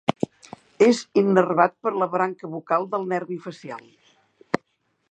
És innervat per la branca bucal del nervi facial.